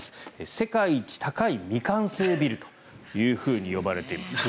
世界一高い未完成ビルというふうに呼ばれています。